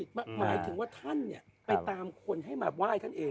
หมายถึงว่าท่านไปตามคนให้มาไหว้ท่านเอง